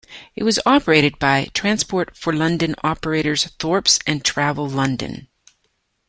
It was operated by Transport for London operators Thorpes and Travel London.